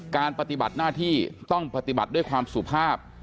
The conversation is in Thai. ปฏิบัติหน้าที่ต้องปฏิบัติด้วยความสุภาพ